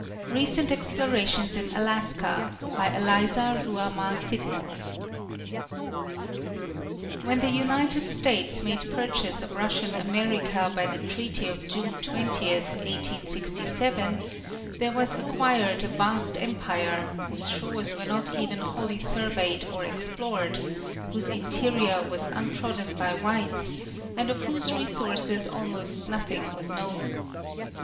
RECENT EXPLORATIONS IN ALASKA .BY ELIZA RUHAMAH SCIDMORE When the United States made purchase of Russian America by the treaty of June 20, 1867, there was acquired a vast empire, whose shores were not even wholly surveyed or explored, whose interior was untrodden by whites, and of whose resources almost nothing was known.